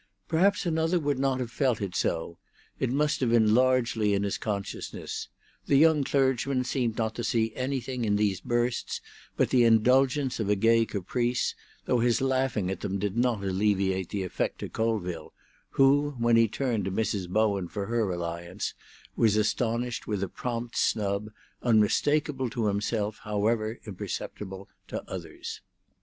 Perhaps another would not have felt it so; it must have been largely in his consciousness; the young clergyman seemed not to see anything in these bursts but the indulgence of a gay caprice, though his laughing at them did not alleviate the effect to Colville, who, when he turned to Mrs. Bowen for her alliance, was astonished with a prompt snub, unmistakable to himself, however imperceptible to others.